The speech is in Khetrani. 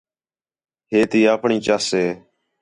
ہے تی آپݨی چَس ہِے